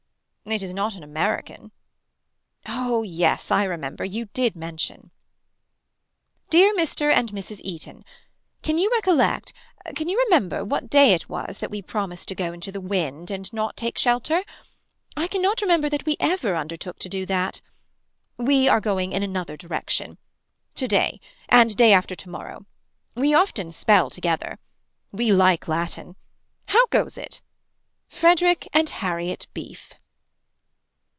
It is not an American. Oh yes I remember you did mention. Dear Mr. and Mrs. Eaton. Can you recollect can you remember what day it was that we promised to go into the wind and not take shelter. I cannot remember that we ever undertook to do that. We are going in another direction. To day. And day after to morrow. We often spell together. We like latin. How goes it. Frederick and Harriet Beef.